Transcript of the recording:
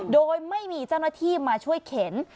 โดยไม่มีเจ้าหน้าที่มาช่วยเข็น